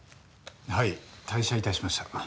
はい退社致しました。